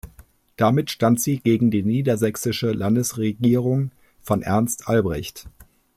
Damit stand sie gegen die niedersächsische Landesregierung von Ernst Albrecht.